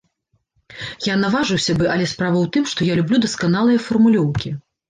Я наважыўся бы, але справа ў тым, што я люблю дасканалыя фармулёўкі.